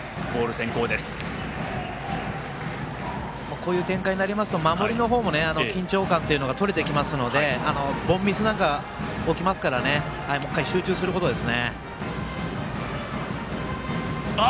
こういう展開になりますと守りの方も緊張感というのがとれてきますので凡ミスなんかが起きますからもう一回、集中することです。